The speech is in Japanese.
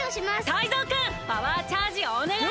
タイゾウくんパワーチャージをおねがい！